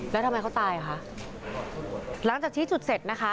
แล้วทำไมเขาตายอ่ะคะหลังจากชี้จุดเสร็จนะคะ